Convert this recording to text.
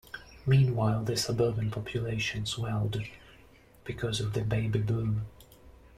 Meanwhile, the suburban population swelled because of the baby boom.